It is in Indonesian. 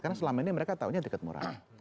karena selama ini mereka taunya tiket murah